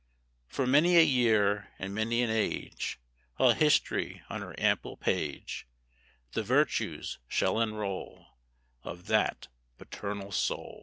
For many a year and many an age, While History on her ample page The virtues shall enroll Of that Paternal Soul.